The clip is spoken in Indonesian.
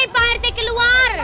pak rt keluar